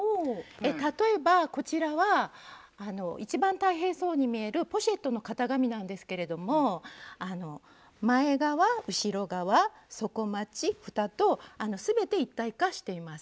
例えばこちらは一番大変そうに見えるポシェットの型紙なんですけれども前側後ろ側底まちふたと全て一体化しています。